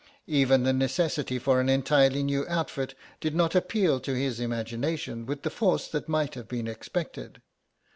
Even the necessity for an entirely new outfit did not appeal to his imagination with the force that might have been expected.